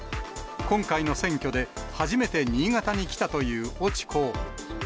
今回の選挙で、初めて新潟に来たという越智候補。